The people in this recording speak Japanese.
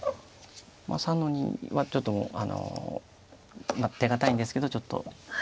３の二はちょっと手堅いんですけどちょっと。